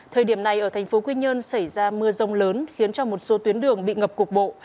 thời điểm này ở thành phố quy nhơn xảy ra mưa rông lớn khiến cho một số tuyến đường bị ngập cục bộ